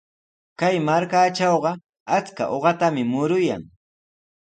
Kay markatrawqa achka uqatami muruyan.